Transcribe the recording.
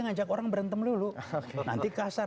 ngajak orang berantem dulu nanti kasar